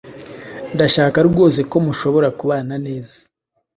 Ndashaka rwose ko mushobora kubana neza.